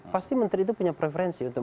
pasti menteri itu punya preferensi untuk